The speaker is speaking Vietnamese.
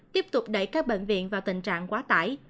tiếp tục đẩy các bệnh viện vào tình trạng quá tải